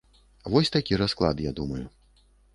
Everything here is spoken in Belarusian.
Вось такі расклад, я думаю.